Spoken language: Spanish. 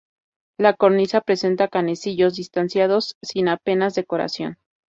La cornisa presenta canecillos distanciados sin apenas decoración.